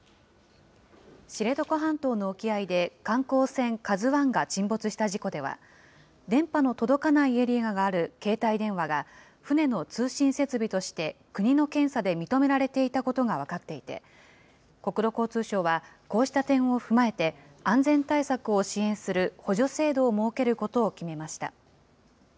知床半島の沖合で観光船ＫＡＺＵＩが沈没した事故では、電波の届かないエリアがある携帯電話が、船の通信設備として国の検査で認められていたことが分かっていて、国土交通省は、こうした点を踏まえて、安全対策を支援する補助制度を設けることを決めました。